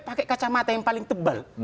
pakai kacamata yang paling tebal